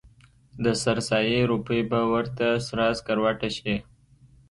د سر سایې روپۍ به ورته سره سکروټه شي.